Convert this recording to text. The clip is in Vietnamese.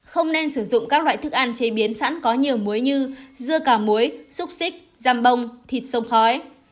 không nên sử dụng các loại thức ăn chế biến sẵn có nhiều muối như dưa cà muối xúc xích dam bông thịt sông khói